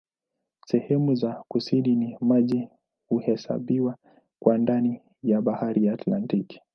Sehemu za kusini za maji huhesabiwa kuwa ndani ya Bahari ya Antaktiki.